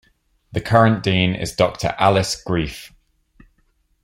The current dean is Doctor Alice Griefe.